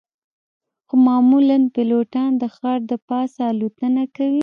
خو معمولاً پیلوټان د ښار د پاسه الوتنه کوي